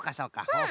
うん！